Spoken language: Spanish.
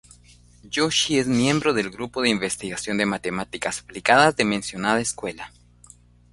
Joshi es miembro del Grupo de Investigación de Matemáticas Aplicadas de mencionada escuela.